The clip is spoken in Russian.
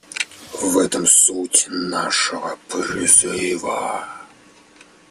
В этом суть нашего призыва.